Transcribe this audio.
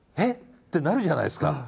ってなるじゃないですか。